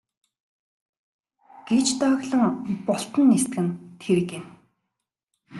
гэж дооглон бултан нисдэг нь тэр гэнэ.